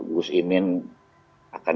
gus imin akan